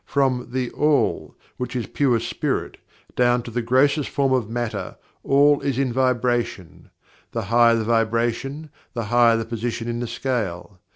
From THE ALL, which is Pure Spirit, down to the grossest form of Matter, all is in vibration the higher the vibration, the higher the position in the scale.